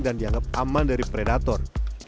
dan dianggap aman dari predator